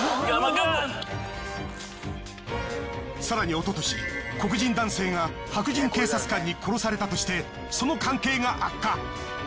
更におととし黒人男性が白人警察官に殺されたとしてその関係が悪化。